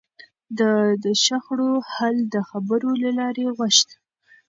ده د شخړو حل د خبرو له لارې غوښت.